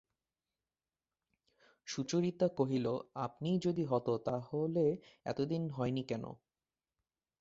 সুচরিতা কহিল, আপনিই যদি হত তা হলে এতদিন হয় নি কেন?